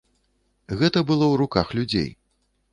Гэта было ў руках людзей.